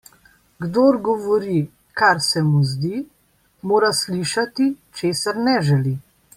Kdor govori, kar se mu zdi, mora slišati, česar ne želi.